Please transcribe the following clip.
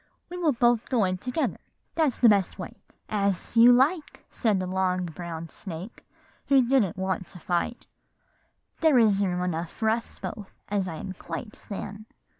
We will both go in together, that's the best way.' "'As you like,' said the long brown snake, who didn't want to fight; 'there is room enough for us both, as I am quite thin.